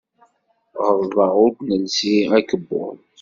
Ɣelḍeɣ ur d-nelsi akebbuḍ.